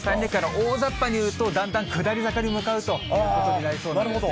おおざっぱにいうと、だんだん下り坂に向かうということになりそうなんですね。